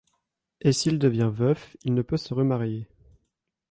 Et s'il devient veuf, il ne peut se remarier.